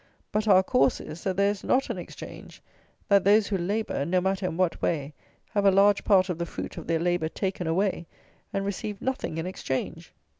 But our course is, that there is not an exchange; that those who labour, no matter in what way, have a large part of the fruit of their labour taken away, and receive nothing in exchange.